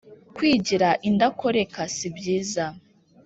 kwigira indakoreka si byiza